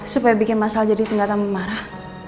supaya bikin mas al jadi tingkatan lebih marah